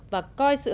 và coi sự hợp tác